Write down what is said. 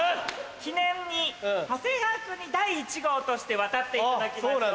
記念に長谷川君に第１号として渡っていただきましょう。